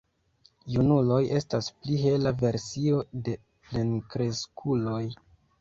Junuloj estas pli hela versio de plenkreskuloj.